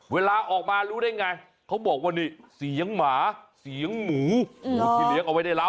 เวลาออกมารู้ได้ไงเขาบอกว่านี่เสียงหมาเสียงหมูที่เลี้ยงเอาไว้ได้แล้ว